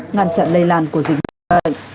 ngăn chặn lây lan của dịch bệnh